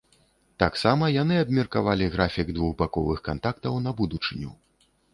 Таксама яны абмеркавалі графік двухбаковых кантактаў на будучыню.